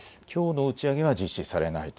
きょうの打ち上げは実施されない。